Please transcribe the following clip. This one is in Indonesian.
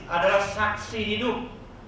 adalah saksi hidup